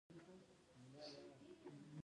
د کار موضوع کیدای شي په طبیعت کې پیدا شي.